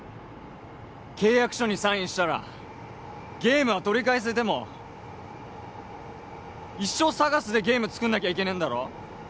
契約書にサインしたらゲームは取り返せても一生ＳＡＧＡＳでゲーム作んなきゃいけねえんだろ